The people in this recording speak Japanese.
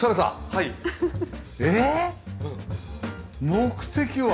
目的は？